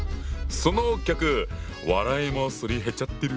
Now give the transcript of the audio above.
そのギャグ笑いもすり減っちゃってる？